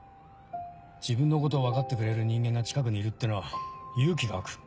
自分のことを分かってくれる人間が近くにいるってのは勇気が湧く。